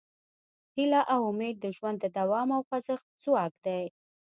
هیله او امید د ژوند د دوام او خوځښت ځواک دی.